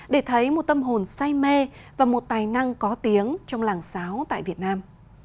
để thấy một tâm hồn say mê và một tài năng có tiếng trong làng xáo tại việt nam